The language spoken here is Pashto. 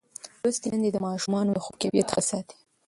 لوستې میندې د ماشومانو د خوب کیفیت ښه ساتي.